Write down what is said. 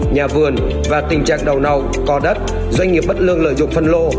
nhà vườn và tình trạng đầu nầu có đất doanh nghiệp bất lương lợi dụng phân lô